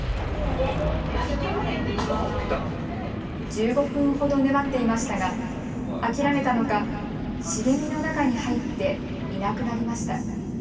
１５分ほど粘っていましたが諦めたのか茂みの中に入っていなくなりました。